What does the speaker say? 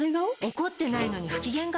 怒ってないのに不機嫌顔？